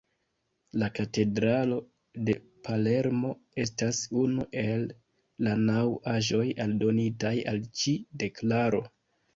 La katedralo de Palermo estas unu el la naŭ aĵoj aldonitaj al ĉi deklaro.